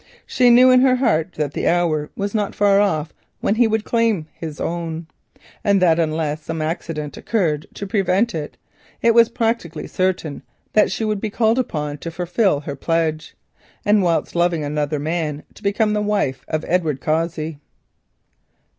She knew in her heart that the hour was not far off when he would claim his own, and that unless some accident occurred to prevent it, it was practically certain that she would be called upon to fulfil her pledge, and whilst loving another man to become the wife of Edward Cossey.